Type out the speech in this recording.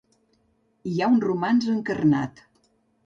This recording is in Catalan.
Hi ha un romanç encarnat.